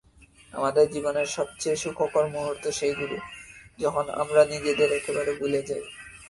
আমাদের জীবনের সবচেয়ে সুখকর মুহূর্ত সেইগুলি, যখন আমরা নিজেদের একেবারে ভুলে যাই।